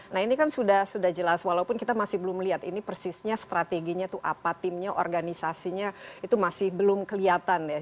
nah ini kan sudah jelas walaupun kita masih belum melihat ini persisnya strateginya itu apa timnya organisasinya itu masih belum kelihatan ya